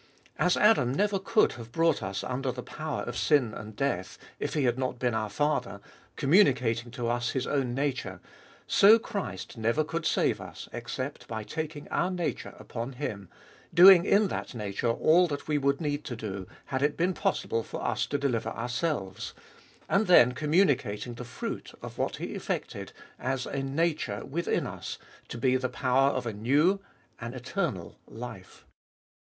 As Adam never could have brought us under the power of sin and death, if he had not been our father, com municating to us his own nature, so Christ never could save us, except by taking our nature upon Him, doing in that nature all that we would need to do, had it been possible for us to deliver ourselves, and then communicating the fruit of what He effected as a nature within us to be the power of a new, an eternal life.